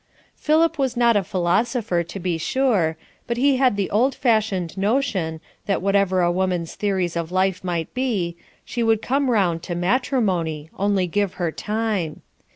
Philip was not a philosopher, to be sure, but he had the old fashioned notion, that whatever a woman's theories of life might be, she would come round to matrimony, only give her time.